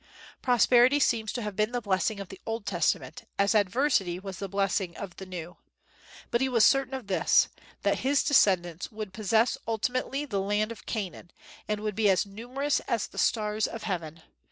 Prosperity seems to have been the blessing of the Old Testament, as adversity was the blessing of the New. But he was certain of this, that his descendants would possess ultimately the land of Canaan, and would be as numerous as the stars of heaven.